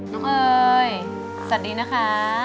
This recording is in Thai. น้องเอ๋ยสวัสดีนะคะ